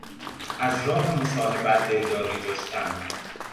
از راه مصاحبت دلداری جستن